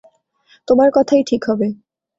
তোমার কথাই ঠিক হবে।